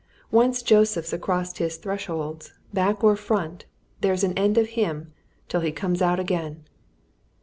Once Joseph's across his thresholds, back or front, there's an end of him till he comes out again!"